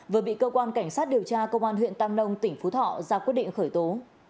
vừa bị cơ quan cảnh sát điều tra công an huyện tam nông tỉnh phú thọ ra quyết định khởi tố